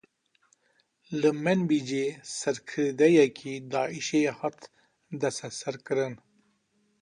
Li Menbicê serkirdeyekî Daişê hat desteserkirin.